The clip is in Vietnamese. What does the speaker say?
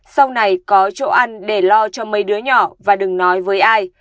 sau này có chỗ ăn để lo cho mấy đứa nhỏ và đừng nói với ai